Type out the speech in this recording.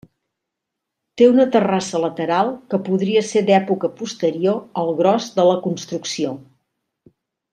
Té una terrassa lateral que podria ser d'època posterior al gros de la construcció.